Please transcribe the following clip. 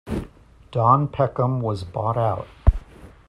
Don Peckham was bought out.